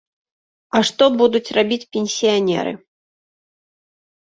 А што будуць рабіць пенсіянеры?